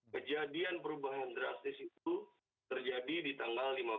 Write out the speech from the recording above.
kejadian perubahan drastis itu terjadi di tanggal lima belas oktober dua ribu dua puluh satu